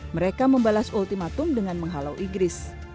mereka membalas ultimatum dengan menghalau inggris